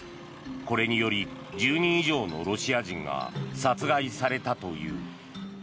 これにより１０人以上のロシア人が殺害されたという。